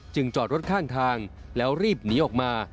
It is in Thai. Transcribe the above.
จอดรถข้างทางแล้วรีบหนีออกมา